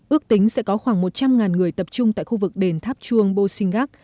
ước tính sẽ có khoảng một trăm linh người tập trung tại khu vực đền tháp chuông bô sinh gác